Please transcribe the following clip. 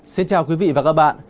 xin chào quý vị và các bạn